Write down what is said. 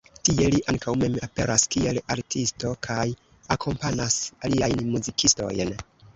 Tie li ankaŭ mem aperas kiel artisto kaj akompanas aliajn muzikistojn.